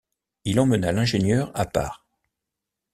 Il emmena l’ingénieur à part.